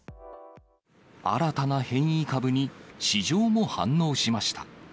新たな変異株に市場も反応しました。